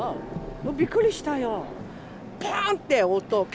もうびっくりしたよ。